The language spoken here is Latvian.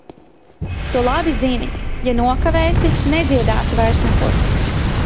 Tu labi zini - ja nokavēsi, nedziedāsi vairs nekur.